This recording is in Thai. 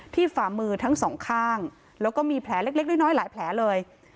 ฝ่ามือทั้งสองข้างแล้วก็มีแผลเล็กน้อยหลายแผลเลย